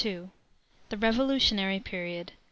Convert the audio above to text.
THE REVOLUTIONARY PERIOD.